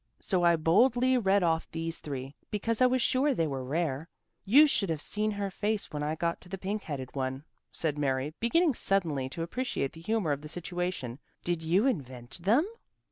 So I boldly read off these three, because I was sure they were rare. You should have seen her face when I got to the pink headed one," said Mary, beginning suddenly to appreciate the humor of the situation. "Did you invent them?"